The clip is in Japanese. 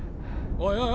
おいおい